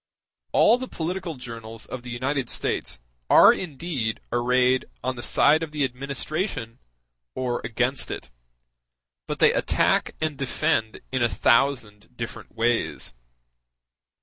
All the political journals of the United States are indeed arrayed on the side of the administration or against it; but they attack and defend in a thousand different ways.